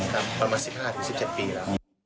ครับมันมา๑๕๑๗ปีแล้ว